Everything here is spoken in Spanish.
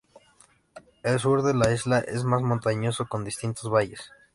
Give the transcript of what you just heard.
El sur de la isla es más montañoso, con distintos valles.